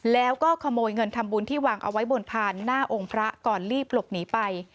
แล้วก็ขโมยเงินทำบุญที่วางเอาไว้บนพานหน้าองค์พระก่อนรีบหลบหนีไป